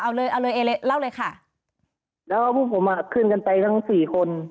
เอาเลยเอาเลยเล่าเลยค่ะแล้วก็พวกผมอ่ะขึ้นกันไปทั้งสี่คน